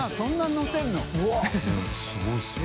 すごいですね。